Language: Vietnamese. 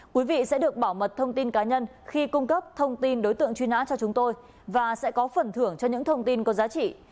quý vị sẽ được bảo mật thông tin cá nhân khi cung cấp thông tin đối tượng truy nã cho chúng tôi và sẽ có phần thưởng cho những thông tin có giá trị